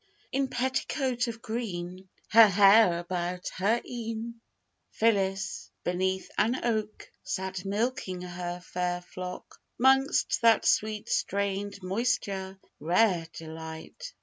In petticoat of green, Her hair about her eyne, Phillis, beneath an oak, Sat milking her fair flock. 'Mongst that sweet strained moisture, rare delight!